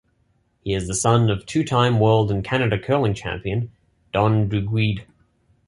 He is the son of two time world and Canada curling champion Don Duguid.